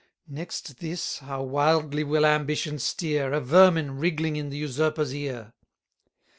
Next this (how wildly will ambition steer!) 30 A vermin wriggling in the usurper's ear.